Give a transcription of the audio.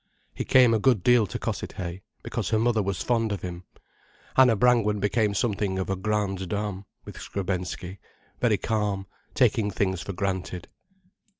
He came a good deal to Cossethay, because her mother was fond of him. Anna Brangwen became something of a grande dame with Skrebensky, very calm, taking things for granted.